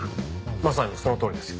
まさにそのとおりですよ。